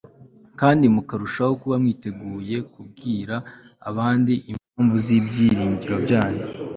kandi mukarushaho kuba mwiteguye kubwira abandi impamvu z'ibyiringiro byanyu